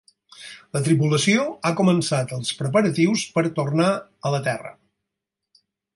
La tripulació ha començat els preparatius per tornar a la Terra.